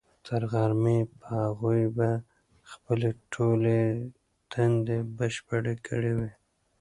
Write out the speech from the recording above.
تر غرمې به هغوی خپلې ټولې دندې بشپړې کړې وي.